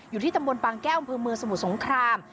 อยู่ที่ตำบลบางแก้วอำเภอเมืองสมุทรสงคราม